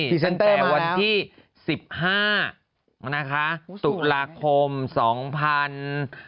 ตั้งแต่วันที่๑๕ตุลาคม๒๕๖๒บาท